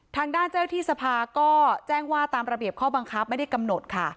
ทางด้านเจ้าที่สภาก็แจ้งว่าตามระเบียบข้อบังคับไม่ได้กำหนดค่ะ